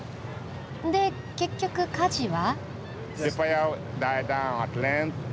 で結局火事は？